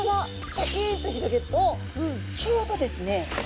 シャキンと広げるとちょうどですね